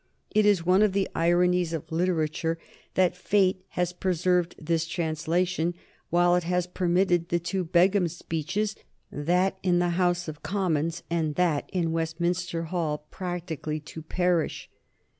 It is one of the ironies of literature that fate has preserved this translation while it has permitted the two Begum speeches, that in the House of Commons and that in Westminster Hall, practically to perish.